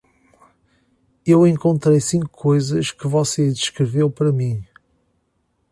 Eu encontrei cinco coisas que você descreveu para mim.